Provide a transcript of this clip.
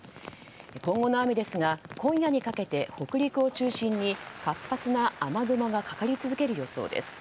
今後の雨ですが今夜にかけて北陸を中心に活発な雨雲がかかり続ける予想です。